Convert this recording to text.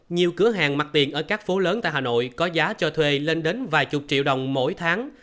nhiều cửa hàng mặt tiền ở các phố lớn tại hà nội có giá cho thuê lên đến vài chục triệu đồng mỗi tháng